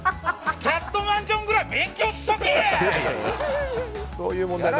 スキャットマン・ジョンぐらい勉強しとけや！